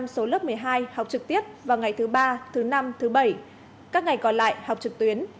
một số lớp một mươi hai học trực tiếp vào ngày thứ ba thứ năm thứ bảy các ngày còn lại học trực tuyến